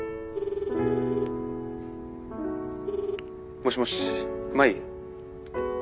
もしもし舞？